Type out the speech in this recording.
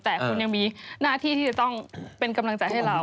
แต่คุณยังมีหน้าที่ที่จะต้องเป็นกำลังใจให้เรา